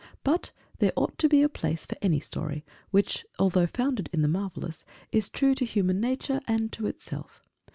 But there ought to be a place for any story, which, although founded in the marvellous, is true to human nature and to itself.